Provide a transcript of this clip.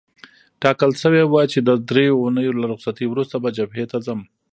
ټاکل شوې وه چې د دریو اونیو له رخصتۍ وروسته به جبهې ته ځم.